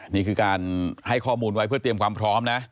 นี่คือการให้ข้อมูลไว้เพื่อเตรียมความพร้อมนะ